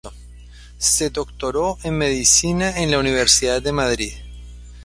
Se doctoró en Medicina en la Universidad de Madrid.